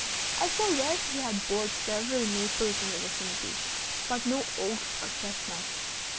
I saw where he had bored several maples in the vicinity, but no oaks or chestnuts.